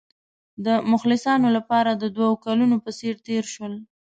د مخلصانو لپاره د دوو کلونو په څېر تېر شول.